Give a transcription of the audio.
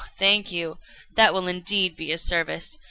thank you: that will indeed be a service.